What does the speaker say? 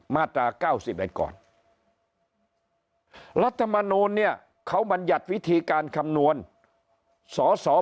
มาตรา๙๑ก่อนรัฐมนูลเนี่ยเขาบรรยัติวิธีการคำนวณสอสอ